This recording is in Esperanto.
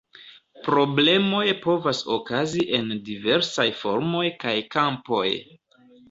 Problemoj povas okazi en diversaj formoj kaj kampoj.